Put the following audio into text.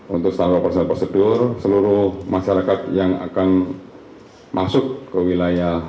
untuk standar operasi dan prosedur seluruh masyarakat yang akan masuk ke wilayah